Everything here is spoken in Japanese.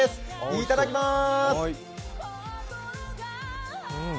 いただきまーす。